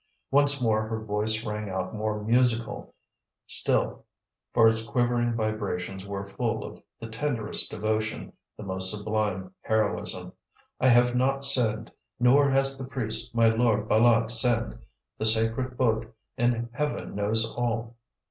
Once more her voice rang out more musical still, for its quivering vibrations were full of the tenderest devotion, the most sublime heroism: "I have not sinned, nor has the priest my lord Bâlât sinned. The sacred Buddh in heaven knows all."